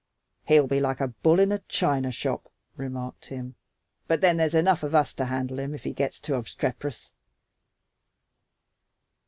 "He'll be like a bull in a china shop," remarked Tim, "but then there's enough of us to handle him if he gets too obstrep'rous."